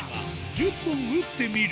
１０本打ってみる